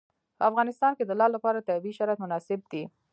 په افغانستان کې د لعل لپاره طبیعي شرایط مناسب دي.